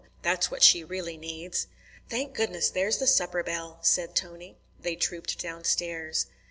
That's what she really needs." "Thank goodness, there's the supper bell," said Tony. They trooped downstairs.